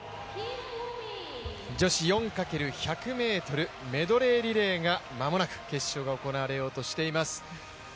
女子４×１００ｍメドレーリレー間もなく決勝が行われようとしています。